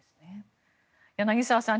柳澤さん